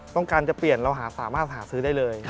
ต้องการจะเปลี่ยนเราหาสามารถหาซื้อได้เลย